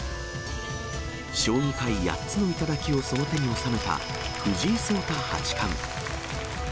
将棋界八つの頂をその手に収めた藤井聡太八冠。